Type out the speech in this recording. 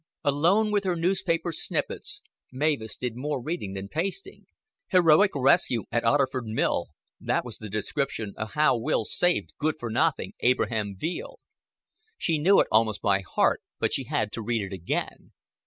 Alone with her newspaper snippets, Mavis did more reading than pasting. "Heroic Rescue at Otterford Mill" that was the description of how Will saved good for nothing Abraham Veale. She knew it almost by heart, but she had to read it again.